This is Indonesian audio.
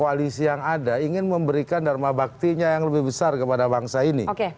koalisi yang ada ingin memberikan dharma baktinya yang lebih besar kepada bangsa ini